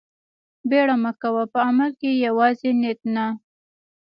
بيړه مه کوه په عمل کښې يوازې نيت نه.